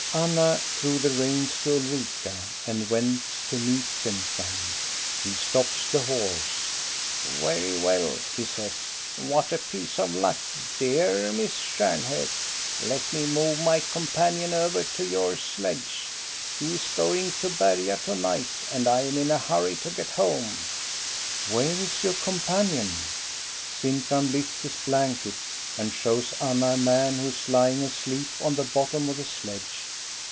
Anna threw the reins to Ulrika and went to meet Sintram. He stops the horse. "Well, well," he says; "what a piece of luck! Dear Miss Stjarnhok, let me move my companion over to your sledge. He is going to Berga to night, and I am in a hurry to get home." 14 L„;«.. 2IO THE STORY OF GOSTA BERUNG. " Where is your companion ?" Sintram lifts his blanket, and shows Anna a man who is lying asleep on the bottom of the sledge.